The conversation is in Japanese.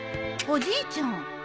おじいちゃん。